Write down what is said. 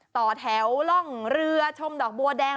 ต่อแถวร่องเรือชมดอกบัวแดง